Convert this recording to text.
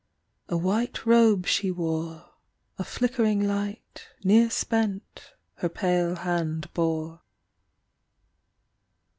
A white robe she wore, A flickering light near spent Her pale hand bore.